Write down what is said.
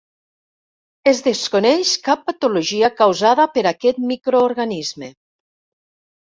Es desconeix cap patologia causada per aquest microorganisme.